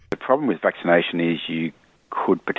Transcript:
masalah dengan vaksinasi adalah